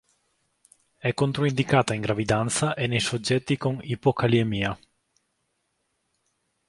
È controindicata in gravidanza e nei soggetti con ipokaliemia.